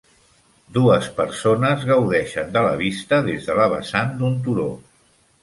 Dues persones gaudeixen de la vista des de la vessant d'un turó.